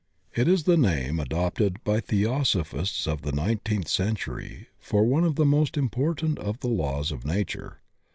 It is the name adopted by Theosophists of the nineteenth century for one of the most important of the laws of nature.